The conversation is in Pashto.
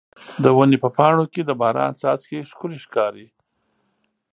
د ونې په پاڼو کې د باران څاڅکي ښکلي ښکاري.